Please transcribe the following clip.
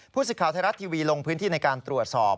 สิทธิ์ไทยรัฐทีวีลงพื้นที่ในการตรวจสอบ